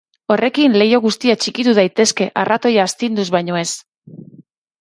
Horrekin, leiho guztiak txikitu daitezke arratoia astinduz baino ez.